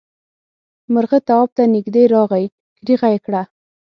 مرغه تواب ته نږدې راغی کريغه یې کړه.